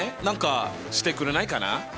何かしてくれないかな？